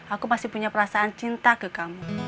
aku masih punya perasaan cinta ke kamu